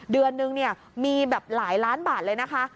เดือนนึงเนี่ยมีแบบหลายล้านบาทเลยนะคะ